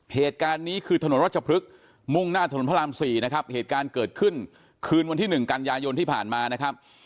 เหตุการณ์นี้คือถนนรัชพฤกษ์มุ่งหน้าถนนพระราม๔นะครับเหตุการณ์เกิดขึ้นคืนวันที่๑กันยายนที่ผ่านมานะครับ